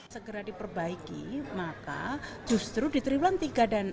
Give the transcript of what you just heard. segera diperbaiki maka justru di triwulan tiga dan empat